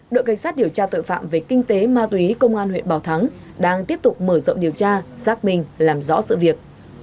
đội canh sát điều tra tội phạm về kinh tế ma túy công an huyện bảo thắng đang tiếp tục mở rộng điều tra xác minh làm rõ sự việc